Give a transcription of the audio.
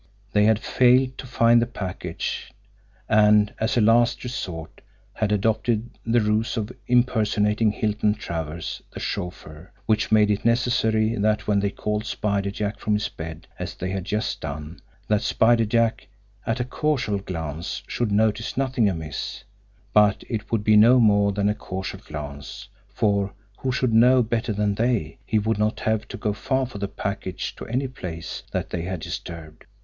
They had failed to find the package, and, as a last resort, had adopted the ruse of impersonating Hilton Travers, the chauffeur, which made it necessary that when they called Spider Jack from his bed, as they had just done, that Spider Jack, at a CASUAL glance, should notice nothing amiss but it would be no more than a casual glance, for, who should know better than they, he would not have to go for the package to any place that they had disturbed!